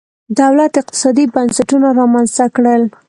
دولت اقتصادي بنسټونه رامنځته کړل.